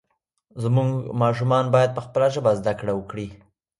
زموږ ماشومان باید په خپله ژبه زده کړه وکړي.